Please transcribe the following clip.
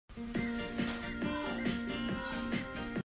Tukum khua sik cu khua a sih tuk caah ram kan vai kho lo.